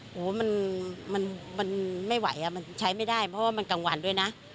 โหมันไม่ไหวอ่ะมันใช้ไม่ได้เพราะว่ามันกลางวันด้วยนะ